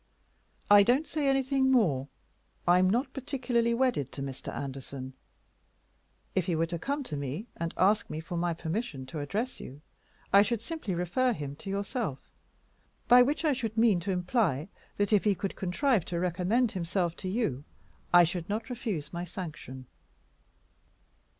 I don't say anything more. I am not particularly wedded to Mr. Anderson. If he were to come to me and ask for my permission to address you, I should simply refer him to yourself, by which I should mean to imply that if he could contrive to recommend himself to you I should not refuse my sanction."